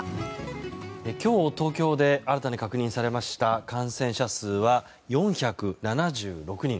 今日、東京で新たに確認されました感染者数は４７６人。